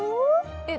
えっ。